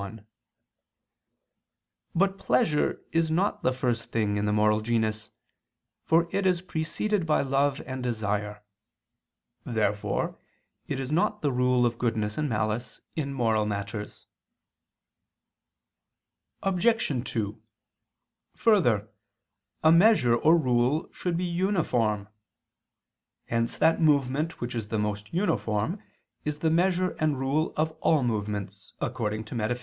But pleasure is not the first thing in the moral genus, for it is preceded by love and desire. Therefore it is not the rule of goodness and malice in moral matters. Obj. 2: Further, a measure or rule should be uniform; hence that movement which is the most uniform, is the measure and rule of all movements (Metaph.